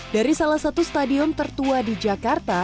dari salah satu stadion tertua di jakarta